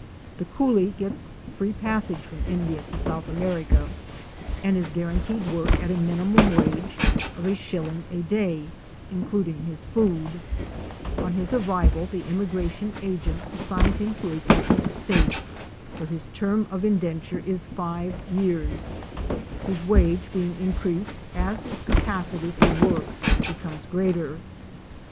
The coolie gets free passage from India to South America, and is guaranteed work at a minimum wage of a shilling a day, STEAMER AND LAUNCH TO HOORIE CREEK. 149 including his food. On his arrival the immigration agent assigns him to a certain estate, where his term of indenture is five years, his wage being increased as his capacity for work becomes greater.